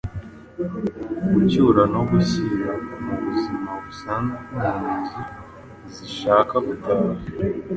ku gucyura no gushyira mu buzima busanzwe impunzi zishaka gutaha".